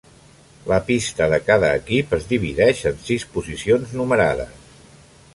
La pista de cada equip es divideix en sis posicions numerades.